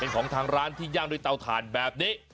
ของทางร้านที่ย่างด้วยเตาถ่านแบบนี้